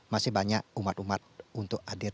masih banyak umat umat untuk hadir